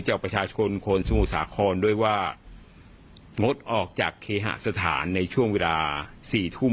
จากประชาชนคนสมุทรสาครด้วยว่างดออกจากเคหสถานในช่วงเวลา๔ทุ่ม